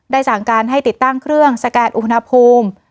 ได้สร้างการให้ติดตั้งเครื่องสักแก่นอุณหภูมิ